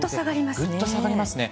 ぐっと下がりますね。